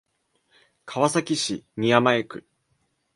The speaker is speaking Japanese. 川崎市宮前区